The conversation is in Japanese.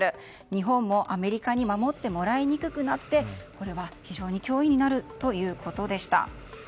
日本もアメリカに守ってもらいにくくなってこれは非常に脅威になるということでした。